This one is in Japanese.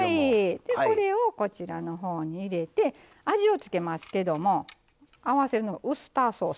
でこれをこちらのほうに入れて味を付けますけども合わせるのがウスターソース。